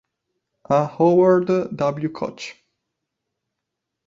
A Howard W. Koch